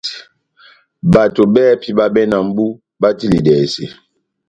Bato bɛ́hɛ́pi báhabɛ na mʼbú batilidɛse.